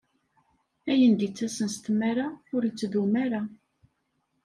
Ayen d-ittasen s tmara, ur ittdum ara.